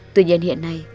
tuy nhiên hiện nay